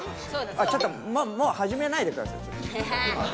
あっちょっともう始めないでください。